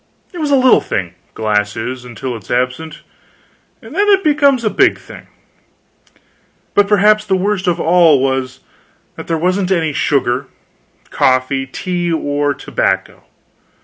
It is a little thing glass is until it is absent, then it becomes a big thing. But perhaps the worst of all was, that there wasn't any sugar, coffee, tea, or tobacco.